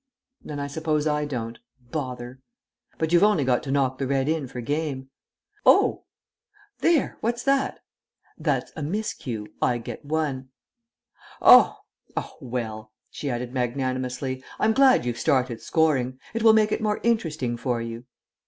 "Then I suppose I don't. Bother." "But you've only got to knock the red in for game." "Oh!... There, what's that?" "That's a miss cue. I get one." "Oh!... Oh well," she added magnanimously, "I'm glad you've started scoring. It will make it more interesting for you."